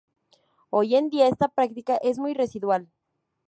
Hoy en día esta práctica es muy residual.